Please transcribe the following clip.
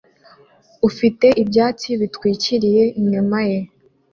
ufite ibyatsi bitwikiriye inyuma ye